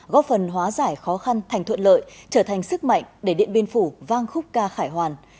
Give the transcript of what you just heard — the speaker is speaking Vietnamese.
góp phần hóa giải khó khăn thành thuận lợi trở thành sức mạnh để điện biên phủ vang khúc ca khải hoàn